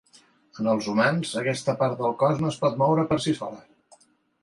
En els humans, aquesta part del cos no es pot moure per si sola.